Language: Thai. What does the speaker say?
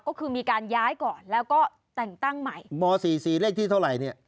ก็คือมีการย้ายก่อนแล้วก็แต่งตั้งใหม่ม๔๔เลขที่เท่าไหร่เนี่ย